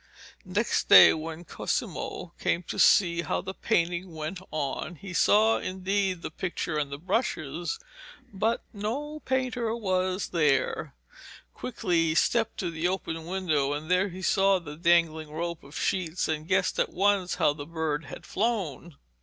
Next day, when Cosimo came to see how the painting went on, he saw indeed the pictures and the brushes, but no painter was there. Quickly he stepped to the open window, and there he saw the dangling rope of sheets, and guessed at once how the bird had flown.